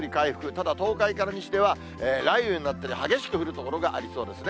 ただ、東海から西では、雷雨になって激しく降る所がありそうですね。